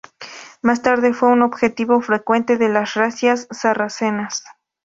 Más tarde, fue un objetivo frecuente de las razias sarracenas.